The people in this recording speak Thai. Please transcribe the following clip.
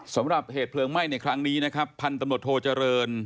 สำหรับเหตุเพลิงไหม้ในครั้งนี้นะครับพันธุ์ตำรวจโทเจริญ